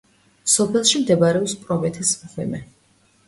სოფელში მდებარეობს პრომეთეს მღვიმე.